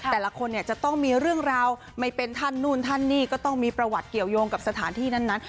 แต่ละคนเนี่ยจะต้องมีเรื่องราวไม่เป็นท่านนู่นท่านนี่ก็ต้องมีประวัติเกี่ยวยงกับสถานที่นั้น